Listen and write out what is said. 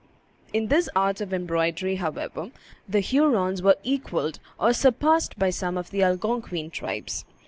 In this art of embroidery, however, the Hurons were equalled or surpassed by some of the Algonquin tribes.